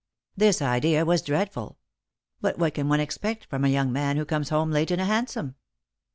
This idea was dreadful. But what can one expect from a young man who comes home late in a hansom